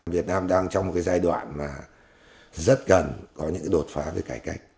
việt nam đang trong một giai đoạn mà rất gần có những đột phá với cải cách